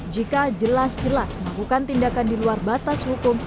jika jelas jelas melakukan tindakan di luar batas hukum